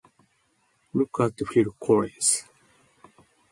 Look at Phil Collins.